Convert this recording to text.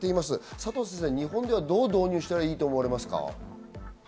佐藤先生、日本ではどう導入したらいいと思われますか？